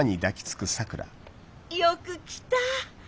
よく来た。